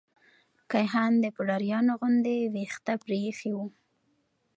کيهان د پوډريانو غوندې ويښته پريخي وه.